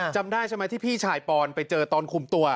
จำได้ใช่ไหมที่พี่ชายปอนไปเจอตอนคุมตัว